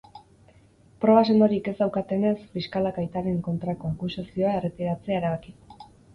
Proba sendorik ez daukatenez, fiskalak aitaren kontrako akusazioa erretiratzea erabaki du.